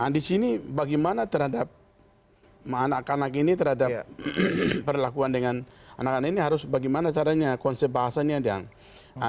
di sini bagaimana terhadap anak anak ini terhadap perlakuan dengan anak anak ini harus bagaimana caranya konsep bahasanya